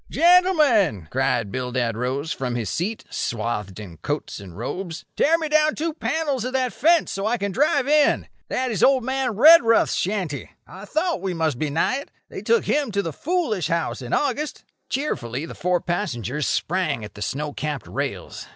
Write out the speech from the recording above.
"Gentlemen," cried Bildad Rose from his seat, swathed in coats and robes, "tear me down two panels of that fence, so I can drive in. That is old man Redruth's shanty. I thought we must be nigh it. They took him to the foolish house in August." Cheerfully the four passengers sprang at the snow capped rails.